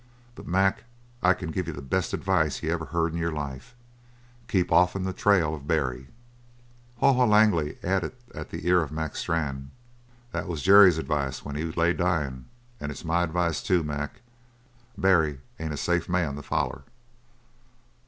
But, Mac, I can give you the best advice you ever heard in your life: Keep off'n the trail of Barry!" Haw Haw Langley added at the ear of Mac Strann: "That was Jerry's advice when he lay dyin'. An' it's my advice, too. Mac, Barry ain't a safe man to foller!"